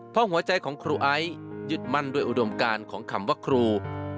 เพราะหัวใจของครูไอซ์ยึดมั่นด้วยอุดมการของคำว่าครู